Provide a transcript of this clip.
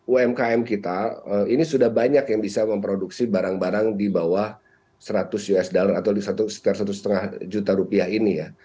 umkm kita ini sudah banyak yang bisa memproduksi barang barang di bawah seratus usd atau di setiap satu lima juta rupiah ini ya